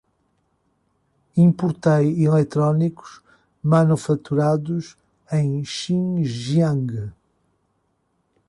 Importei eletrônicos manufaturados em Xinjiang